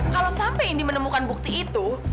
kalau sampe indi menemukan bukti itu